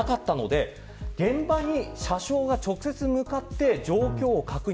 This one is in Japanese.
なので、現場に車掌が直接向かって状況を確認。